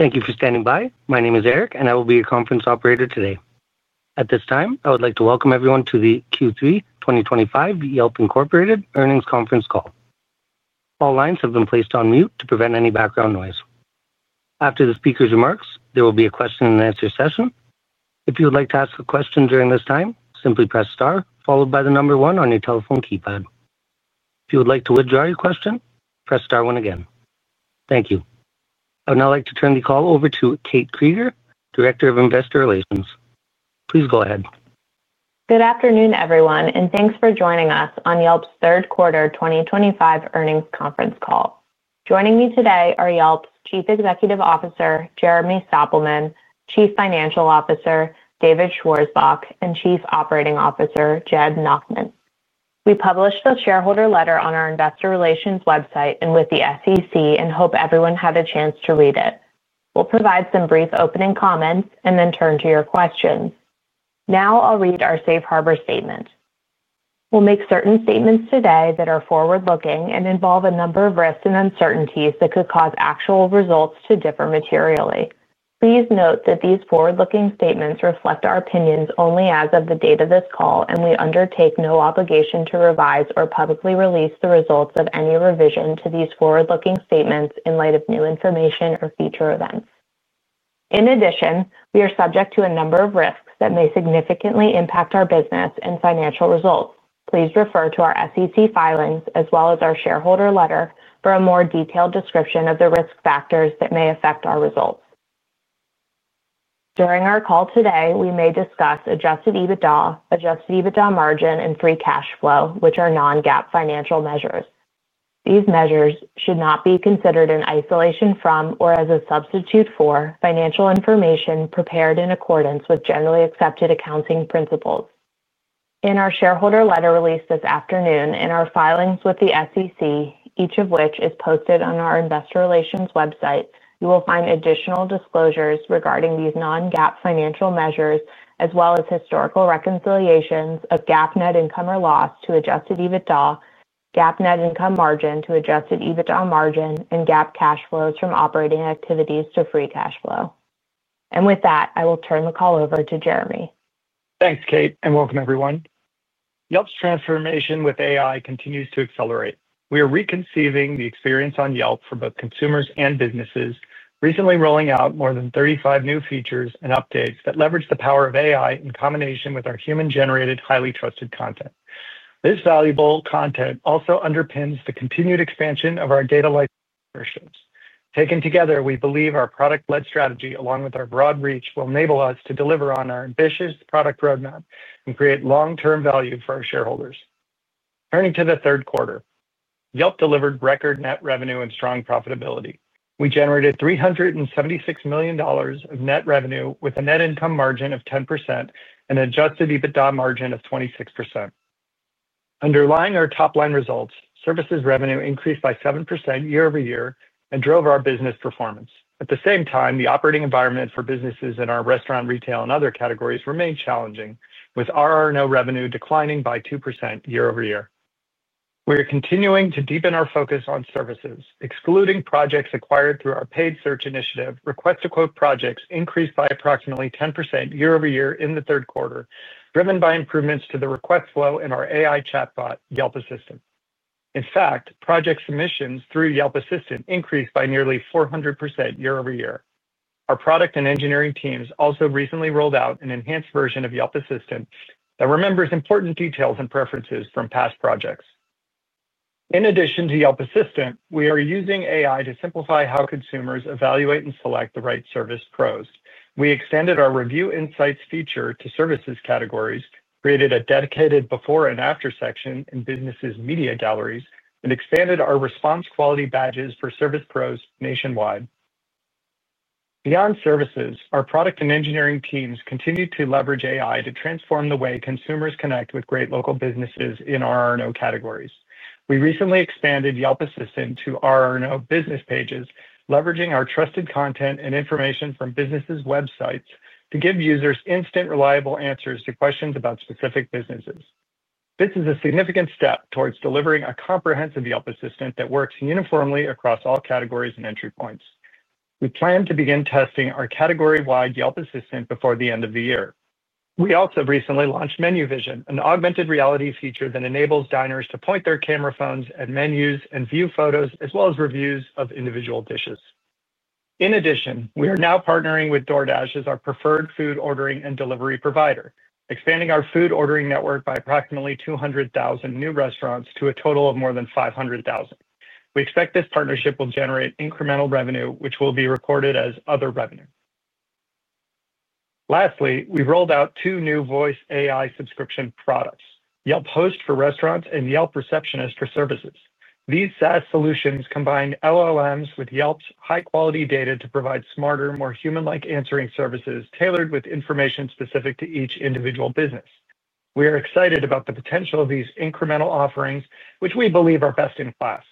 Thank you for standing by. My name is Eric, and I will be your conference operator today. At this time, I would like to welcome everyone to the Q3 2025 Yelp earnings conference call. All lines have been placed on mute to prevent any background noise. After the speaker's remarks, there will be a question-and-answer session. If you would like to ask a question during this time, simply press star followed by the number one on your telephone keypad. If you would like to withdraw your question, press star one again. Thank you. I would now like to turn the call over to Kate Krieger, Director of Investor Relations. Please go ahead. Good afternoon, everyone, and thanks for joining us on Yelp's third quarter 2025 earnings conference call. Joining me today are Yelp's Chief Executive Officer, Jeremy Stoppelman, Chief Financial Officer, David Schwarzbach, and Chief Operating Officer, Jed Nachman. We published the shareholder letter on our investor relations website and with the SEC and hope everyone had a chance to read it. We'll provide some brief opening comments and then turn to your questions. Now I'll read our safe harbor statement. We'll make certain statements today that are forward-looking and involve a number of risks and uncertainties that could cause actual results to differ materially. Please note that these forward-looking statements reflect our opinions only as of the date of this call, and we undertake no obligation to revise or publicly release the results of any revision to these forward-looking statements in light of new information or future events. In addition, we are subject to a number of risks that may significantly impact our business and financial results. Please refer to our SEC filings as well as our shareholder letter for a more detailed description of the risk factors that may affect our results. During our call today, we may discuss Adjusted EBITDA, Adjusted EBITDA margin, and Free Cash Flow, which are non-GAAP financial measures. These measures should not be considered in isolation from or as a substitute for financial information prepared in accordance with generally accepted accounting principles. In our shareholder letter released this afternoon and our filings with the SEC, each of which is posted on our investor relations website, you will find additional disclosures regarding these non-GAAP financial measures as well as historical reconciliations of GAAP net income or loss to adjusted EBITDA, GAAP net income margin to adjusted EBITDA margin, and GAAP cash flows from operating activities to free cash flow. And with that, I will turn the call over to Jeremy. Thanks, Kate, and welcome, everyone. Yelp's transformation with AI continues to accelerate. We are reconceiving the experience on Yelp for both consumers and businesses, recently rolling out more than 35 new features and updates that leverage the power of AI in combination with our human-generated, highly trusted content. This valuable content also underpins the continued expansion of our data-like memberships. Taken together, we believe our product-led strategy, along with our broad reach, will enable us to deliver on our ambitious product roadmap and create long-term value for our shareholders. Turning to the third quarter, Yelp delivered record net revenue and strong profitability. We generated $376 million of net revenue with a net income margin of 10% and an adjusted EBITDA margin of 26%. Underlying our top-line results, services revenue increased by 7% year-over-year and drove our business performance. At the same time, the operating environment for businesses in our restaurant, retail, and other categories remained challenging, with RRNO revenue declining by 2% year-over-year. We are continuing to deepen our focus on services, excluding projects acquired through our paid search initiative. Request-to-quote projects increased by approximately 10% year-over-year in the third quarter, driven by improvements to the request flow in our AI chatbot, Yelp Assistant. In fact, project submissions through Yelp Assistant increased by nearly 400% year-over-year. Our product and engineering teams also recently rolled out an enhanced version of Yelp Assistant that remembers important details and preferences from past projects. In addition to Yelp Assistant, we are using AI to simplify how consumers evaluate and select the right service pros. We extended our review insights feature to services categories, created a dedicated before-and-after section in businesses' media galleries, and expanded our response quality badges for service pros nationwide. Beyond services, our product and engineering teams continue to leverage AI to transform the way consumers connect with great local businesses in RRNO categories. We recently expanded Yelp Assistant to RRNO business pages, leveraging our trusted content and information from businesses' websites to give users instant, reliable answers to questions about specific businesses. This is a significant step towards delivering a comprehensive Yelp Assistant that works uniformly across all categories and entry points. We plan to begin testing our category-wide Yelp Assistant before the end of the year. We also recently launched MenuVision, an augmented reality feature that enables diners to point their camera phones at menus and view photos as well as reviews of individual dishes. In addition, we are now partnering with DoorDash as our preferred food ordering and delivery provider, expanding our food ordering network by approximately 200,000 new restaurants to a total of more than 500,000. We expect this partnership will generate incremental revenue, which will be recorded as other revenue. Lastly, we've rolled out two new voice AI subscription products, Yelp Host for restaurants and Yelp Receptionist for services. These SaaS solutions combine LLMs with Yelp's high-quality data to provide smarter, more human-like answering services tailored with information specific to each individual business. We are excited about the potential of these incremental offerings, which we believe are best in class.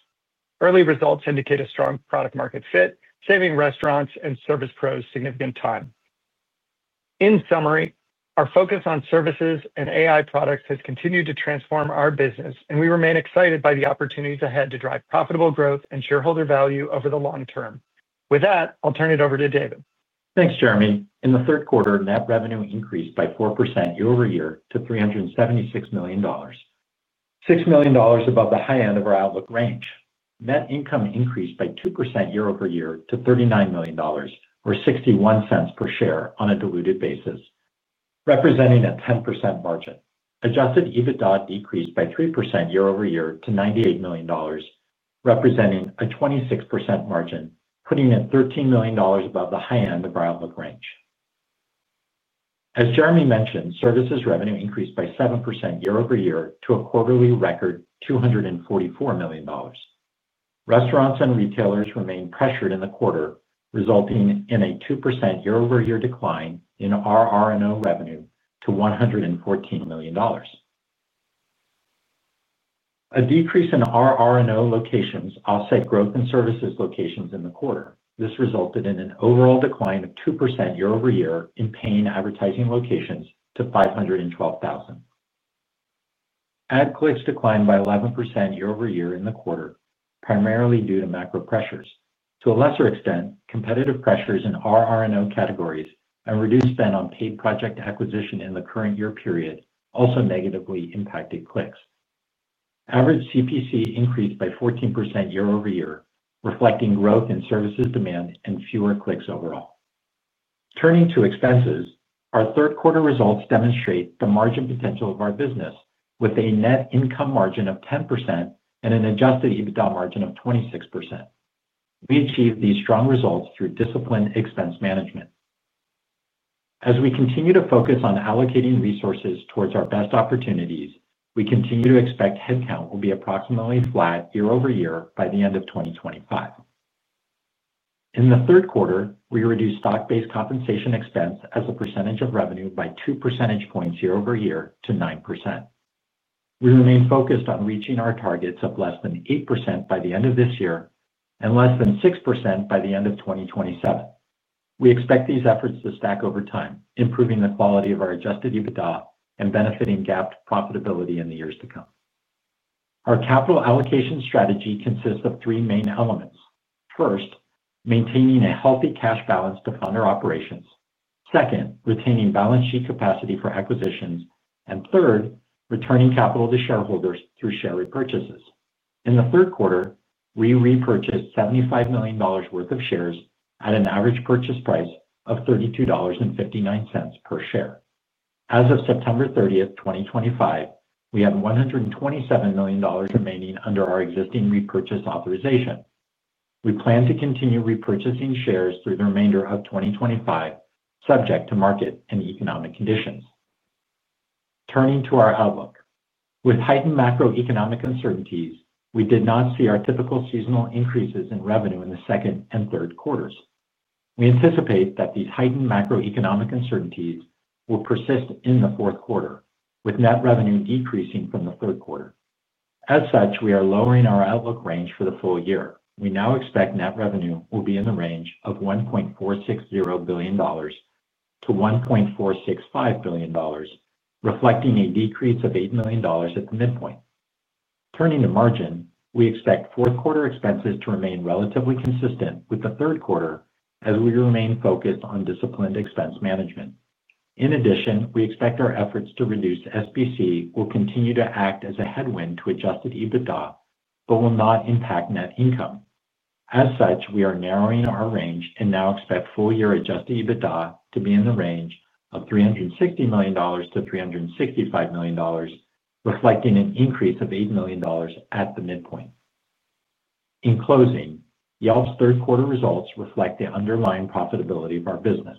Early results indicate a strong product-market fit, saving restaurants and service pros significant time. In summary, our focus on services and AI products has continued to transform our business, and we remain excited by the opportunities ahead to drive profitable growth and shareholder value over the long term. With that, I'll turn it over to David. Thanks, Jeremy. In the third quarter, net revenue increased by 4% year-over-year to $376 million, $6 million above the high end of our outlook range. Net income increased by 2% year-over-year to $39 million, or 61 cents per share on a diluted basis, representing a 10% margin. Adjusted EBITDA decreased by 3% year-over-year to $98 million, representing a 26% margin, putting it $13 million above the high end of our outlook range. As Jeremy mentioned, services revenue increased by 7% year-over-year to a quarterly record $244 million. Restaurants and retailers remained pressured in the quarter, resulting in a 2% year-over-year decline in RRNO revenue to $114 million. A decrease in RRNO locations offset growth in services locations in the quarter. This resulted in an overall decline of 2% year-over-year in paying advertising locations to $512,000. Ad clicks declined by 11% year-over-year in the quarter, primarily due to macro pressures. To a lesser extent, competitive pressures in RRNO categories and reduced spend on paid project acquisition in the current year period also negatively impacted clicks. Average CPC increased by 14% year-over-year, reflecting growth in services demand and fewer clicks overall. Turning to expenses, our third-quarter results demonstrate the margin potential of our business, with a net income margin of 10% and an adjusted EBITDA margin of 26%. We achieved these strong results through disciplined expense management. As we continue to focus on allocating resources towards our best opportunities, we continue to expect headcount will be approximately flat year-over-year by the end of 2025. In the third quarter, we reduced stock-based compensation expense as a percentage of revenue by 2 percentage points year-over-year to 9%. We remain focused on reaching our targets of less than 8% by the end of this year and less than 6% by the end of 2027. We expect these efforts to stack over time, improving the quality of our adjusted EBITDA and benefiting GAAP profitability in the years to come. Our capital allocation strategy consists of three main elements. First, maintaining a healthy cash balance to fund our operations. Second, retaining balance sheet capacity for acquisitions. And third, returning capital to shareholders through share repurchases. In the third quarter, we repurchased $75 million worth of shares at an average purchase price of $32.59 per share. As of September 30, 2025, we have $127 million remaining under our existing repurchase authorization. We plan to continue repurchasing shares through the remainder of 2025, subject to market and economic conditions. Turning to our outlook, with heightened macroeconomic uncertainties, we did not see our typical seasonal increases in revenue in the second and third quarters. We anticipate that these heightened macroeconomic uncertainties will persist in the fourth quarter, with net revenue decreasing from the third quarter. As such, we are lowering our outlook range for the full year. We now expect net revenue will be in the range of $1.460 billion-$1.465 billion, reflecting a decrease of $8 million at the midpoint. Turning to margin, we expect fourth-quarter expenses to remain relatively consistent with the third quarter as we remain focused on disciplined expense management. In addition, we expect our efforts to reduce SBC will continue to act as a headwind to adjusted EBITDA, but will not impact net income. As such, we are narrowing our range and now expect full-year adjusted EBITDA to be in the range of $360 million to $365 million, reflecting an increase of $8 million at the midpoint. In closing, Yelp's third-quarter results reflect the underlying profitability of our business.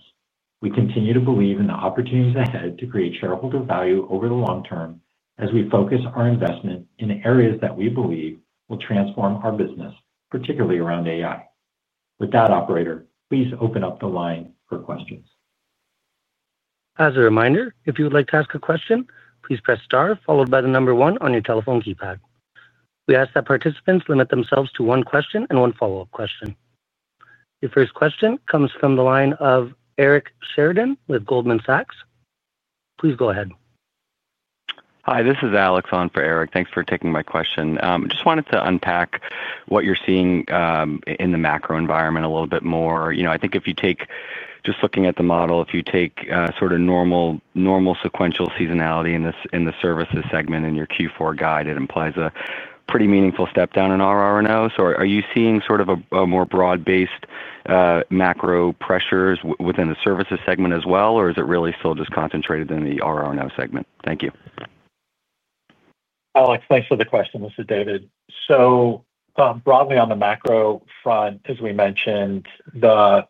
We continue to believe in the opportunities ahead to create shareholder value over the long term as we focus our investment in areas that we believe will transform our business, particularly around AI. With that, operator, please open up the line for questions. As a reminder, if you would like to ask a question, please press star followed by the number one on your telephone keypad. We ask that participants limit themselves to one question and one follow-up question. Your first question comes from the line of Eric Sheridan with Goldman Sachs. Please go ahead. Hi, this is Alex on for Eric. Thanks for taking my question. I just wanted to unpack what you're seeing in the macro environment a little bit more. I think if you take just looking at the model, if you take sort of normal sequential seasonality in the services segment in your Q4 guide, it implies a pretty meaningful step down in RRNO. So are you seeing sort of a more broad-based. Macro pressures within the services segment as well, or is it really still just concentrated in the RRNO segment? Thank you. Alex, thanks for the question. This is David. So broadly on the macro front, as we mentioned, the.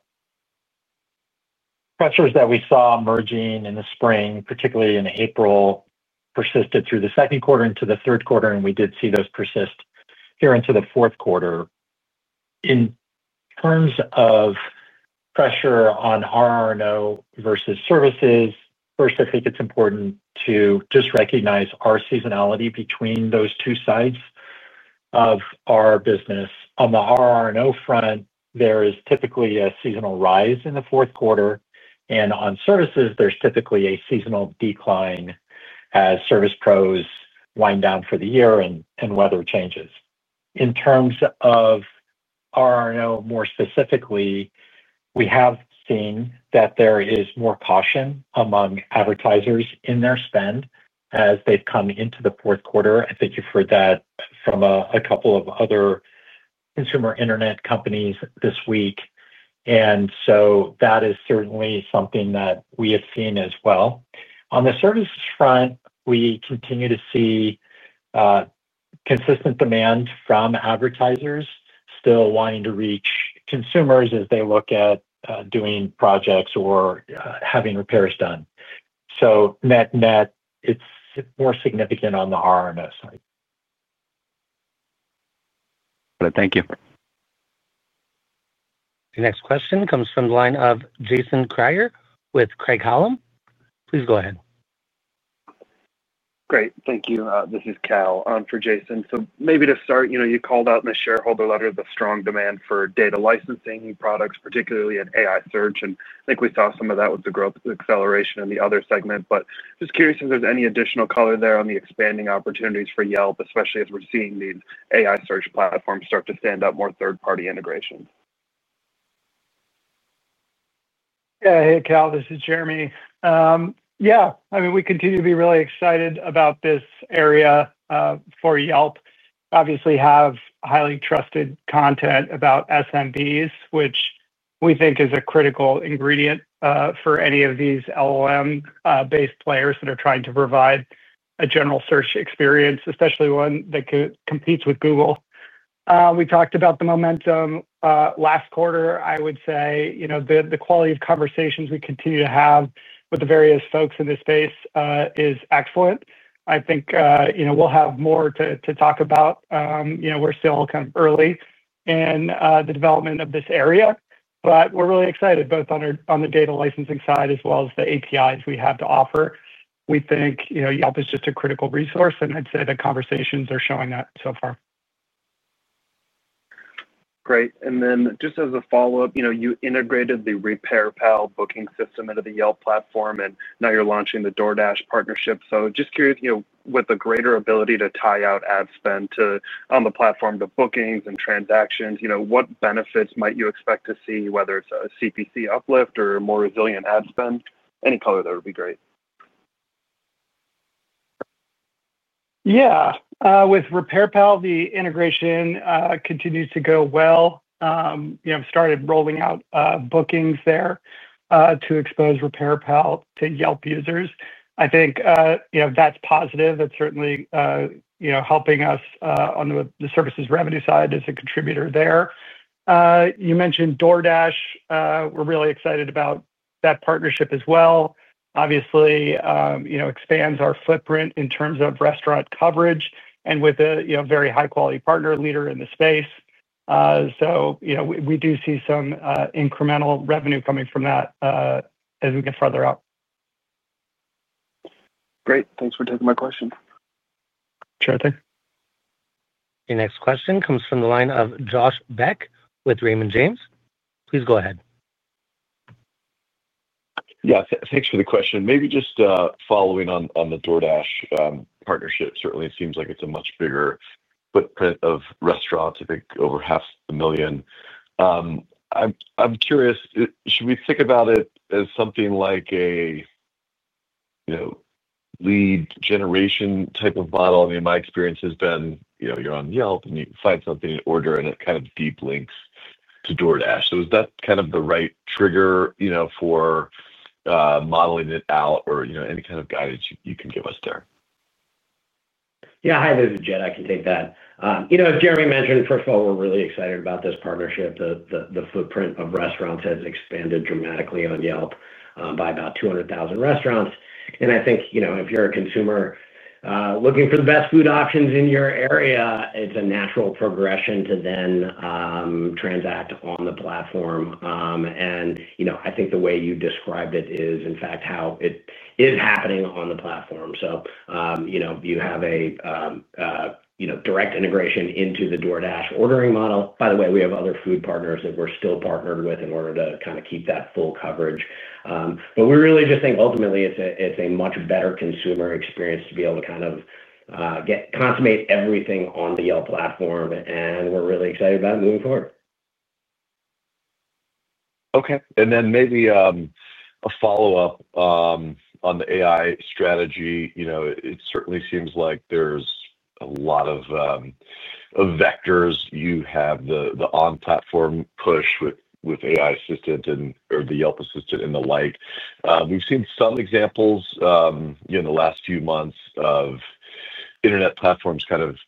Pressures that we saw emerging in the spring, particularly in April. Persisted through the second quarter into the third quarter, and we did see those persist here into the fourth quarter. In terms of pressure on RRNO versus services, first, I think it's important to just recognize our seasonality between those two sides of our business. On the RRNO front, there is typically a seasonal rise in the fourth quarter, and on services, there's typically a seasonal decline as service pros wind down for the year and weather changes. In terms of RRNO more specifically, we have seen that there is more caution among advertisers in their spend as they've come into the fourth quarter. I think you've heard that from a couple of other. Consumer internet companies this week. And so that is certainly something that we have seen as well. On the services front, we continue to see. Consistent demand from advertisers still wanting to reach consumers as they look at doing projects or having repairs done. So net net, it's more significant on the RRNO side. Thank you. The next question comes from the line of Jason Kreyer with Craig-Hallum. Please go ahead. Great. Thank you. This is Kyle for Jason. So maybe to start, you called out in the shareholder letter the strong demand for data licensing products, particularly at AI search. And I think we saw some of that with the growth acceleration in the other segment. But just curious if there's any additional color there on the expanding opportunities for Yelp, especially as we're seeing the AI search platform start to stand up more third-party integrations. Yeah. Hey, Kyle. This is Jeremy. Yeah. I mean, we continue to be really excited about this area for Yelp. Obviously, we have highly trusted content about SMBs, which we think is a critical ingredient for any of these LLM-based players that are trying to provide a general search experience, especially one that competes with Google. We talked about the momentum last quarter. I would say. The quality of conversations we continue to have with the various folks in this space is excellent. I think we'll have more to talk about. We're still kind of early in the development of this area, but we're really excited both on the data licensing side as well as the APIs we have to offer. We think Yelp is just a critical resource, and I'd say the conversations are showing that so far. Great. And then just as a follow-up, you integrated the RepairPal booking system into the Yelp platform, and now you're launching the DoorDash partnership. So just curious, with the greater ability to tie out ad spend on the platform to bookings and transactions, what benefits might you expect to see, whether it's a CPC uplift or more resilient ad spend? Any color there would be great. Yeah. With RepairPal, the integration continues to go well. We've started rolling out bookings there to expose RepairPal to Yelp users. I think. That's positive. That's certainly. Helping us on the services revenue side as a contributor there. You mentioned DoorDash. We're really excited about that partnership as well. Obviously. Expands our footprint in terms of restaurant coverage and with a very high-quality partner leader in the space. So we do see some incremental revenue coming from that. As we get further out. Great. Thanks for taking my question. Sure thing. The next question comes from the line of Josh Beck with Raymond James. Please go ahead. Yes. Thanks for the question. Maybe just following on the DoorDash partnership, certainly it seems like it's a much bigger footprint of restaurants. I think over half a million. I'm curious, should we think about it as something like a. Lead generation type of model? I mean, my experience has been you're on Yelp and you find something to order, and it kind of deep links to DoorDash. So is that kind of the right trigger for. Modeling it out or any kind of guidance you can give us there? Yeah. Hi, this is Jed. I can take that. As Jeremy mentioned, first of all, we're really excited about this partnership. The footprint of restaurants has expanded dramatically on Yelp by about 200,000 restaurants. And I think if you're a consumer looking for the best food options in your area, it's a natural progression to then. Transact on the platform. And I think the way you described it is, in fact, how it is happening on the platform. So. You have a direct integration into the DoorDash ordering model. By the way, we have other food partners that we're still partnered with in order to kind of keep that full coverage. But we really just think ultimately it's a much better consumer experience to be able to kind of. Consummate everything on the Yelp platform, and we're really excited about it moving forward. Okay. And then maybe. A follow-up. On the AI strategy. It certainly seems like there's a lot of vectors. You have the on-platform push with AI assistant or the Yelp assistant and the like. We've seen some examples. In the last few months of. Internet platforms kind of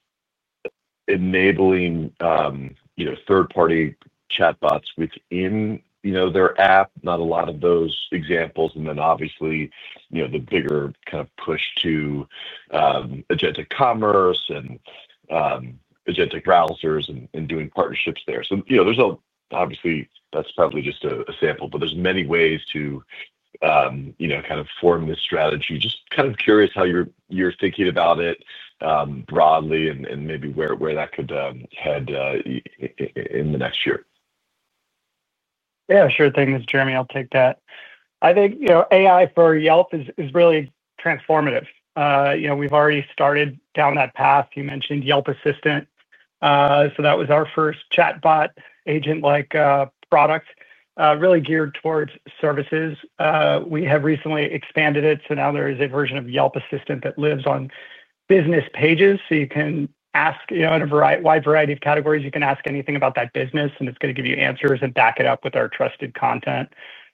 enabling third-party chatbots within their app, not a lot of those examples. And then obviously the bigger kind of push to. Agentic commerce and. Agentic browsers and doing partnerships there. So obviously, that's probably just a sample, but there's many ways to. Kind of form this strategy. Just kind of curious how you're thinking about it. Broadly and maybe where that could head. In the next year. Yeah. Sure thing. This is Jeremy. I'll take that. I think AI for Yelp is really transformative. We've already started down that path. You mentioned Yelp Assistant. So that was our first chatbot agent-like product, really geared towards services. We have recently expanded it, so now there is a version of Yelp Assistant that lives on business pages. So you can ask in a wide variety of categories. You can ask anything about that business, and it's going to give you answers and back it up with our trusted content.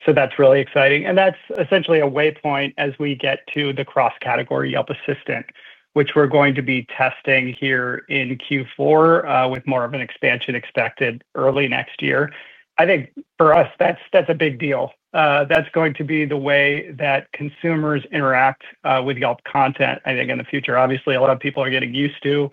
So that's really exciting. And that's essentially a waypoint as we get to the cross-category Yelp Assistant, which we're going to be testing here in Q4 with more of an expansion expected early next year. I think for us, that's a big deal. That's going to be the way that consumers interact with Yelp content, I think, in the future. Obviously, a lot of people are getting used to.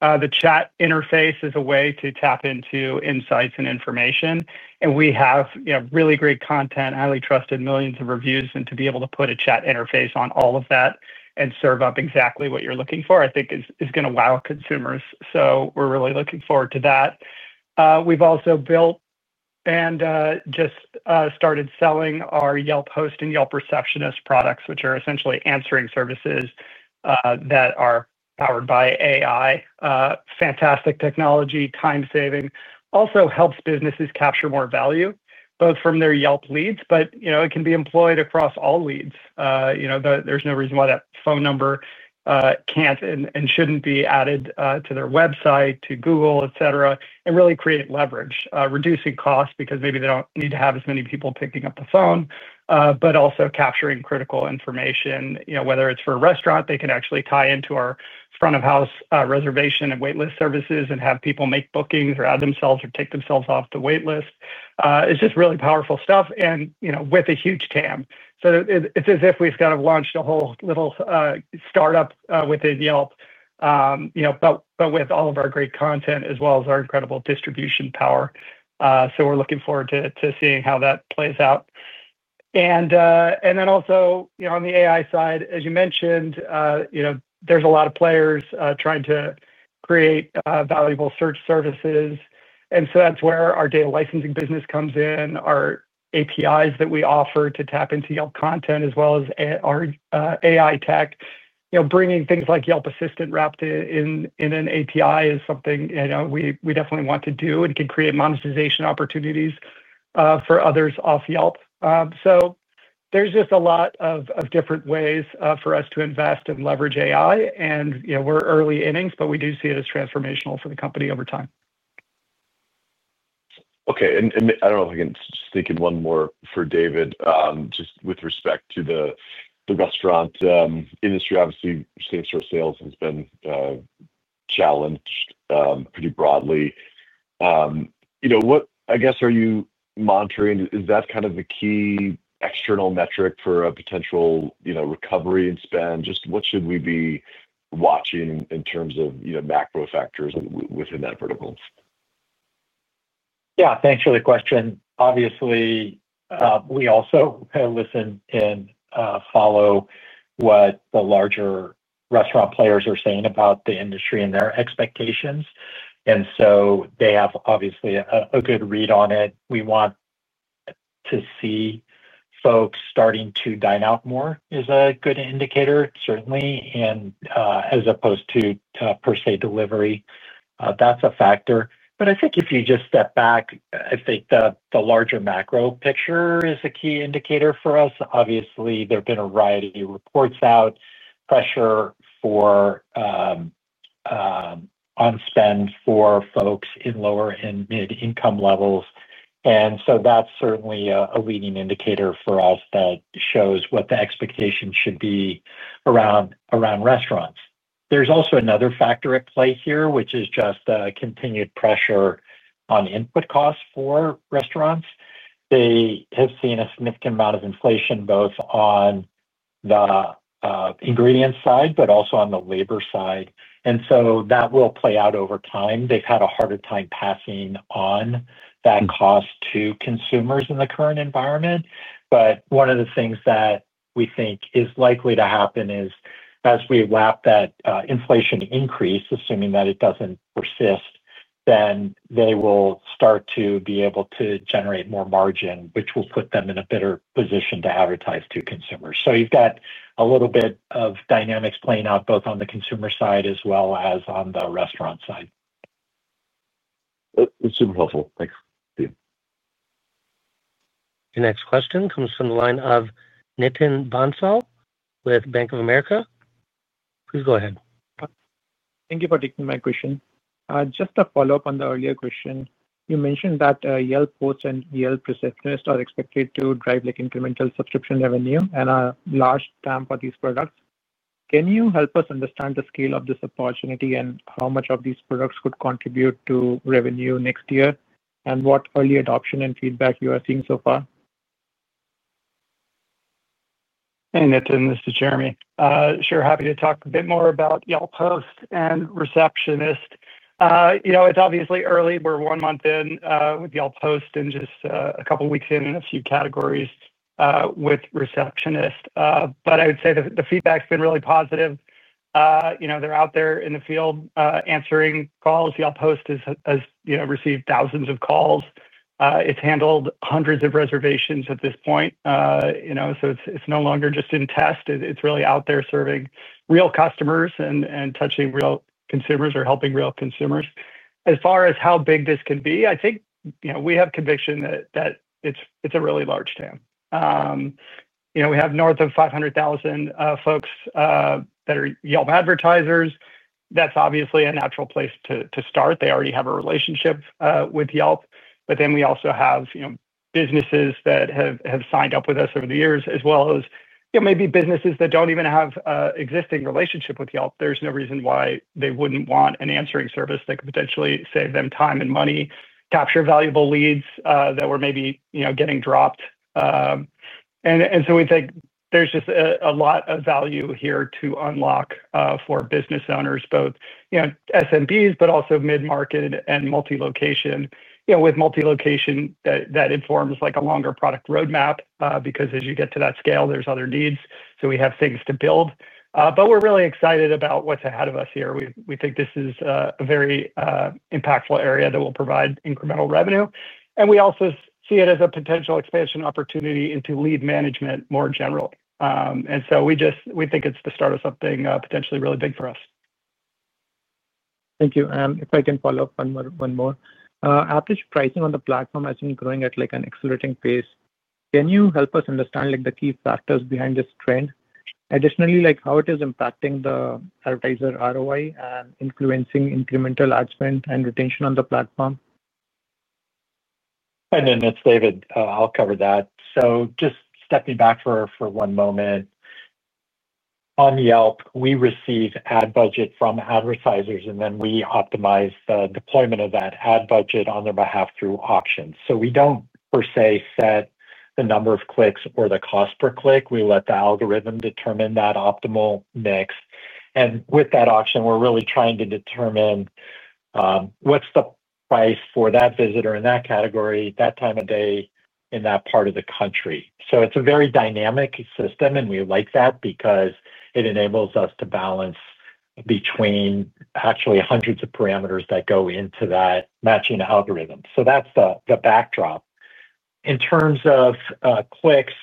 The chat interface as a way to tap into insights and information. And we have really great content, highly trusted, millions of reviews. And to be able to put a chat interface on all of that and serve up exactly what you're looking for, I think, is going to wow consumers. So we're really looking forward to that. We've also built. And just started selling our Yelp host and Yelp receptionist products, which are essentially answering services that are powered by AI. Fantastic technology, time-saving. Also helps businesses capture more value, both from their Yelp leads, but it can be employed across all leads. There's no reason why that phone number. Can't and shouldn't be added to their website, to Google, etc., and really create leverage, reducing costs because maybe they don't need to have as many people picking up the phone, but also capturing critical information. Whether it's for a restaurant, they can actually tie into our front-of-house reservation and waitlist services and have people make bookings or add themselves or take themselves off the waitlist. It's just really powerful stuff and with a huge TAM. So it's as if we've kind of launched a whole little startup within Yelp. But with all of our great content as well as our incredible distribution power. So we're looking forward to seeing how that plays out. And then also on the AI side, as you mentioned. There's a lot of players trying to create valuable search services. And so that's where our data licensing business comes in, our APIs that we offer to tap into Yelp content as well as our AI tech. Bringing things like Yelp Assistant wrapped in an API is something we definitely want to do and can create monetization opportunities for others off Yelp. So there's just a lot of different ways for us to invest and leverage AI. And we're early innings, but we do see it as transformational for the company over time. Okay. And I don't know if I can just think in one more for David. Just with respect to the. Restaurant industry, obviously, same-store sales has been. Challenged pretty broadly. What, I guess, are you monitoring? Is that kind of the key external metric for a potential recovery in spend? Just what should we be watching in terms of macro factors within that vertical? Yeah. Thanks for the question. Obviously. We also listen and follow. What the larger restaurant players are saying about the industry and their expectations. And so they have obviously a good read on it. We want. To see folks starting to dine out more is a good indicator, certainly, as opposed to per se delivery. That's a factor. But I think if you just step back, I think the larger macro picture is a key indicator for us. Obviously, there have been a variety of reports out, pressure for. On spend for folks in lower and mid-income levels. And so that's certainly a leading indicator for us that shows what the expectation should be around. Restaurants. There's also another factor at play here, which is just continued pressure on input costs for restaurants. They have seen a significant amount of inflation both on. The. Ingredient side, but also on the labor side. And so that will play out over time. They've had a harder time passing on that cost to consumers in the current environment. But one of the things that we think is likely to happen is as we wrap that inflation increase, assuming that it doesn't persist, then they will start to be able to generate more margin, which will put them in a better position to advertise to consumers. So you've got a little bit of dynamics playing out both on the consumer side as well as on the restaurant side. That's super helpful. Thanks. Thank you. The next question comes from the line of Nathan Bonsall with Bank of America. Please go ahead. Thank you for taking my question. Just a follow-up on the earlier question. You mentioned that Yelp host and Yelp receptionist are expected to drive incremental subscription revenue and a large TAM for these products. Can you help us understand the scale of this opportunity and how much of these products could contribute to revenue next year and what early adoption and feedback you are seeing so far? Hey, Nathan. This is Jeremy. Sure. Happy to talk a bit more about Yelp host and receptionist. It's obviously early. We're one month in with Yelp host and just a couple of weeks in and a few categories with receptionist. But I would say the feedback's been really positive. They're out there in the field answering calls. Yelp host has received thousands of calls. It's handled hundreds of reservations at this point. So it's no longer just in test. It's really out there serving real customers and touching real consumers or helping real consumers. As far as how big this can be, I think we have conviction that it's a really large TAM. We have north of 500,000 folks that are Yelp advertisers. That's obviously a natural place to start. They already have a relationship with Yelp. But then we also have. Businesses that have signed up with us over the years, as well as maybe businesses that don't even have an existing relationship with Yelp. There's no reason why they wouldn't want an answering service. That could potentially save them time and money, capture valuable leads that were maybe getting dropped. And so we think there's just a lot of value here to unlock for business owners, both. SMBs, but also mid-market and multi-location. With multi-location, that informs a longer product roadmap because as you get to that scale, there's other needs. So we have things to build. But we're really excited about what's ahead of us here. We think this is a very impactful area that will provide incremental revenue. And we also see it as a potential expansion opportunity into lead management more generally. And so we think it's the start of something potentially really big for us. Thank you. If I can follow up one more. Average pricing on the platform has been growing at an accelerating pace. Can you help us understand the key factors behind this trend? Additionally, how it is impacting the advertiser ROI and influencing incremental ad spend and retention on the platform? And then that's David. I'll cover that. So just stepping back for one moment. On Yelp, we receive ad budget from advertisers, and then we optimize the deployment of that ad budget on their behalf through auctions. So we don't per se set the number of clicks or the cost per click. We let the algorithm determine that optimal mix. And with that auction, we're really trying to determine. What's the price for that visitor in that category, that time of day, in that part of the country. So it's a very dynamic system, and we like that because it enables us to balance. Between actually hundreds of parameters that go into that matching algorithm. So that's the backdrop. In terms of. Clicks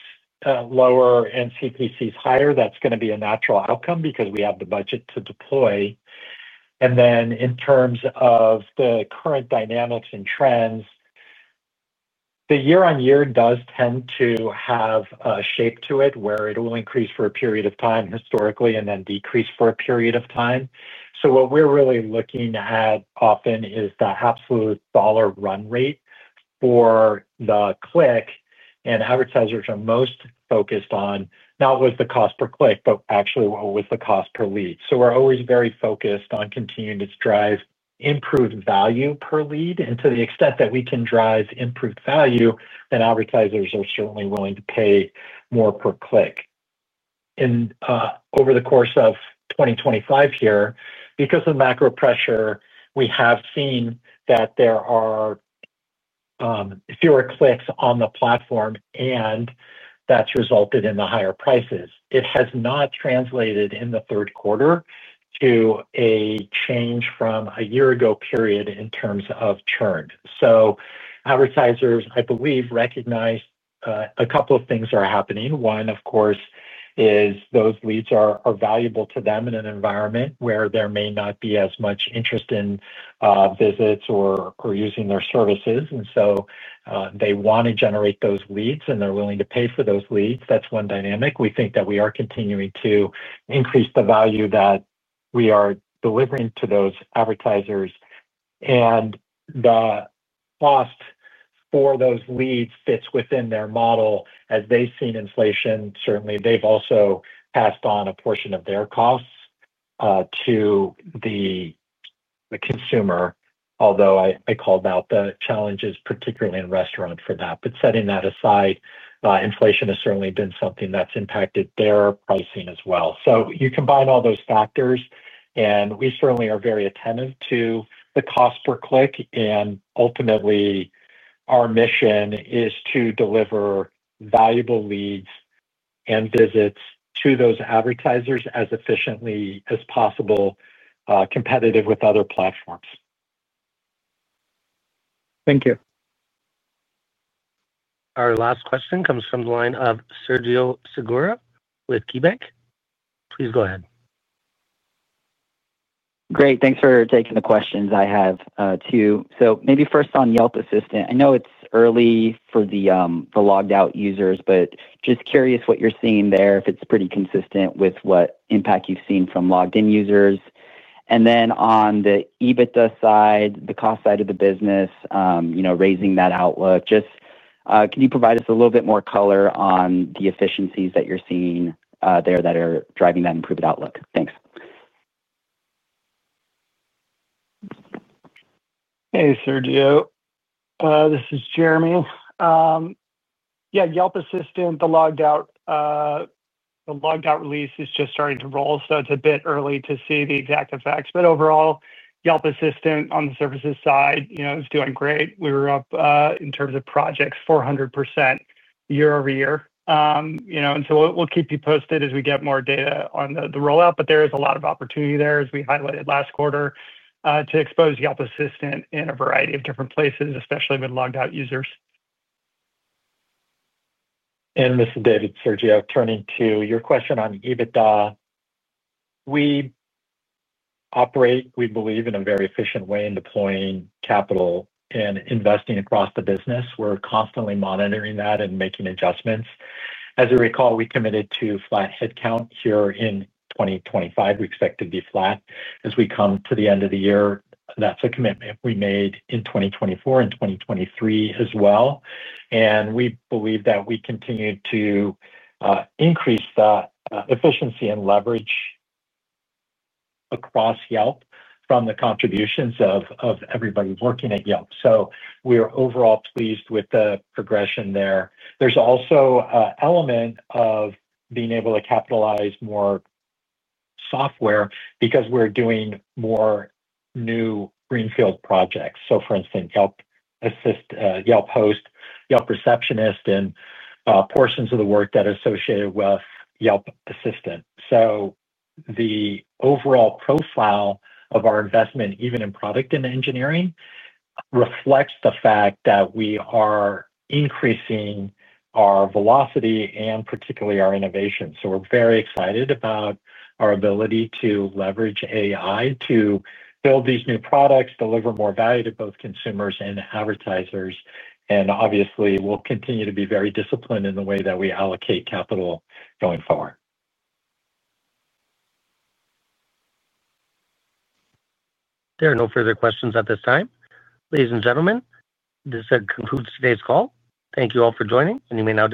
lower and CPCs higher, that's going to be a natural outcome because we have the budget to deploy. And then in terms of the current dynamics and trends, the year-on-year does tend to have a shape to it where it will increase for a period of time historically and then decrease for a period of time. So what we're really looking at often is the absolute dollar run rate for the click. And advertisers are most focused on not with the cost per click, but actually with the cost per lead. So we're always very focused on continuing to drive improved value per lead. And to the extent that we can drive improved value, then advertisers are certainly willing to pay more per click. And over the course of 2025 here, because of macro pressure, we have seen that there are. Fewer clicks on the platform, and that's resulted in the higher prices. It has not translated in the third quarter to a change from a year-ago period in terms of churn. So advertisers, I believe, recognize a couple of things are happening. One, of course, is those leads are valuable to them in an environment where there may not be as much interest in. Visits or using their services. And so they want to generate those leads, and they're willing to pay for those leads. That's one dynamic. We think that we are continuing to increase the value that we are delivering to those advertisers. And the cost for those leads fits within their model as they've seen inflation. Certainly, they've also passed on a portion of their costs to the. Consumer, although I called out the challenges, particularly in restaurants, for that. But setting that aside, inflation has certainly been something that's impacted their pricing as well. So you combine all those factors, and we certainly are very attentive to the cost per click. And ultimately, our mission is to deliver valuable leads and visits to those advertisers as efficiently as possible, competitive with other platforms. Thank you. Our last question comes from the line of Sergio Segura with KeyBank. Please go ahead. Great. Thanks for taking the questions. I have two. So maybe first on Yelp Assistant. I know it's early for the logged-out users, but just curious what you're seeing there, if it's pretty consistent with what impact you've seen from logged-in users. And then on the EBITDA side, the cost side of the business. Raising that outlook. Just can you provide us a little bit more color on the efficiencies that you're seeing there that are driving that improved outlook? Thanks. Hey, Sergio. This is Jeremy. Yeah, Yelp Assistant, the logged-out. Release is just starting to roll, so it's a bit early to see the exact effects. But overall, Yelp Assistant on the services side is doing great. We were up in terms of projects 400% year-over-year. And so we'll keep you posted as we get more data on the rollout. But there is a lot of opportunity there, as we highlighted last quarter, to expose Yelp Assistant in a variety of different places, especially with logged-out users. And this is David Sergio, turning to your question on EBITDA. We operate, we believe, in a very efficient way in deploying capital and investing across the business. We're constantly monitoring that and making adjustments. As you recall, we committed to flat headcount here in 2025. We expect to be flat as we come to the end of the year. That's a commitment we made in 2024 and 2023 as well. And we believe that we continue to. Increase the efficiency and leverage. Across Yelp from the contributions of everybody working at Yelp. So we are overall pleased with the progression there. There's also an element of being able to capitalize more. Software because we're doing more new greenfield projects. So for instance, Yelp Assist, Yelp Host, Yelp receptionist, and portions of the work that are associated with Yelp Assistant. So the overall profile of our investment, even in product and engineering. Reflects the fact that we are increasing our velocity and particularly our innovation. So we're very excited about our ability to leverage AI to build these new products, deliver more value to both consumers and advertisers. And obviously, we'll continue to be very disciplined in the way that we allocate capital going forward. There are no further questions at this time. Ladies and gentlemen, this concludes today's call. Thank you all for joining, and you may now.